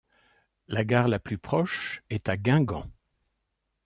La gare la plus proche est à Guingamp.